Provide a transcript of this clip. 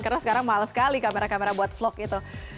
karena sekarang mahal sekali kamera kamera buat vlog gitu